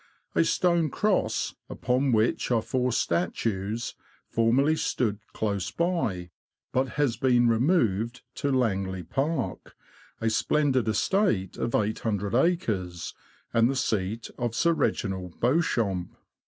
A stone cross, upon which are four statues, formerly stood close by, but has been removed to Langley Park, a splendid estate of 800 acres, and the seat of Sir Reginald Beauchamp.